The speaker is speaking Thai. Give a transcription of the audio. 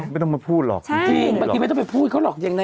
ไม่ต้องมาพูดหรอกจริงบางทีไม่ต้องไปพูดเขาหรอกยังนะ